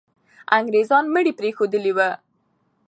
انګریزان مړي پرېښودلي وو.